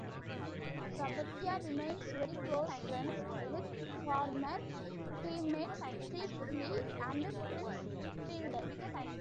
Sabathia remains very close friends with former teammates Cliff Lee and Prince Fielder.